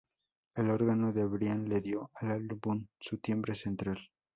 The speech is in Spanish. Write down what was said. El órgano de Brian le dio al álbum su timbre central.